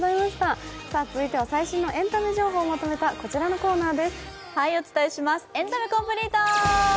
続いては、最新のエンタメ情報をまとめたこちらのコーナーです。